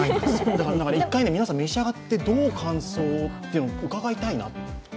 だから一回、皆さん召し上がって、どう感想、伺いたいなと。